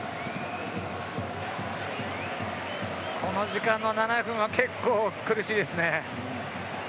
この時間の７分は結構苦しいですね。